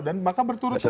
dan maka berturut turut